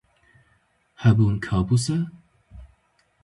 Hebûn kabûs e?